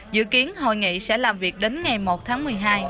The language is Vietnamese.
dự kiến hội nghị sẽ làm việc đến ngày một tháng một mươi hai